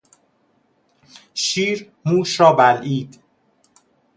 شیر موش را بلعید.